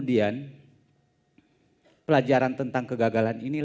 dia bunuwhere kesana terus itu pamer jamb zhuang d ao